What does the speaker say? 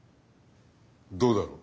どうだろう？